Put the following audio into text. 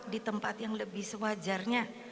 di tempat yang lebih sewajarnya